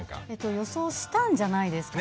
予想したんじゃないですかね